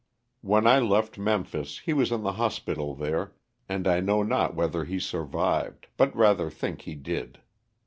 When I left Memphis he was in the hospital there, and I know not whether he survived, but rather think he did.